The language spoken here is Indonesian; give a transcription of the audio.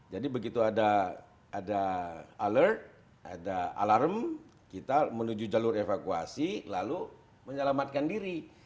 jadi begitu ada alert ada alarm kita menuju jalur evakuasi lalu menyelamatkan diri